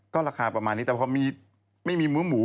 ก็ราคาประมาณนี้แต่พอไม่มีมื้อหมู